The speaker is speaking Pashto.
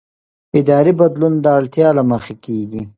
اداري بدلون د اړتیا له مخې کېږي